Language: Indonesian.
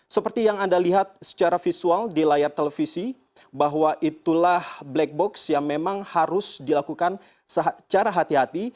seperti yang anda lihat secara visual di layar televisi bahwa itulah black box yang memang harus dilakukan secara hati hati